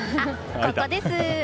ここです！